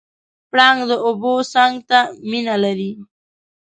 پړانګ د اوبو څنګ ته مینه لري.